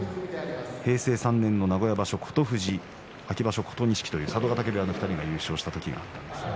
平成３年の名古屋場所の琴富士琴錦という、佐渡ヶ嶽部屋の２人が優勝した時がありました。